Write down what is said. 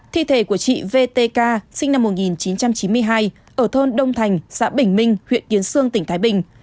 thi thể của chị vtk sinh năm một nghìn chín trăm chín mươi hai ở thôn đông thành xã bình minh huyện kiến sương tỉnh thái bình